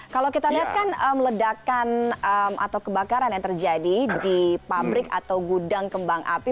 kalau kita lihat kan ledakan atau kebakaran yang terjadi di pabrik atau gudang kembang api